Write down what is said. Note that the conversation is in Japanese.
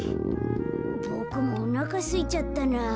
ボクもおなかすいちゃったなぁ。